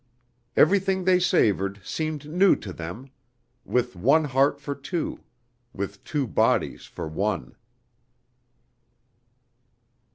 Everything they savored seemed new to them with one heart for two, with two bodies for one.